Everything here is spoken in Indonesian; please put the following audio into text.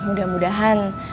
ya mudah mudahan